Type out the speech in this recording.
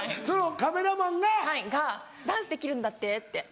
そのカメラマンが？が「ダンスできるんだって？